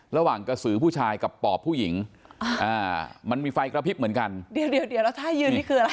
ระหว่างกระสือผู้ชายกับปอบผู้หญิงมันมีไฟกระพริบเหมือนกันเดี๋ยวเดี๋ยวแล้วท่ายืนนี่คืออะไร